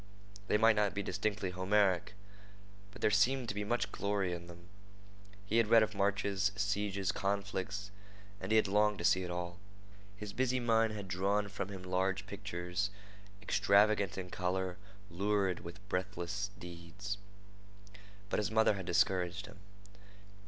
They might not be distinctly Homeric, but there seemed to be much glory in them. He had read of marches, sieges, conflicts, and he had longed to see it all. His busy mind had drawn for him large pictures extravagant in color, lurid with breathless deeds. But his mother had discouraged him.